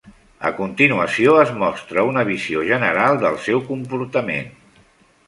A continuació es mostra una visió general del seu comportament.